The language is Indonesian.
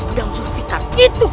padang zulfiqar itu